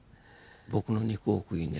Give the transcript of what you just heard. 僕の肉を食いね